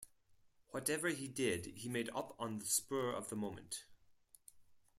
Whatever he did, he made up on the spur of the moment.